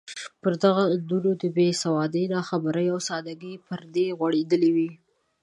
پر دغو اندونو د بې سوادۍ، ناخبرۍ او سادګۍ پردې غوړېدلې وې.